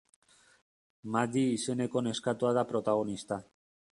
Maddi izeneko neskatoa da protagonista.